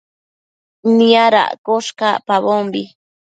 Niadaccosh cacpabombi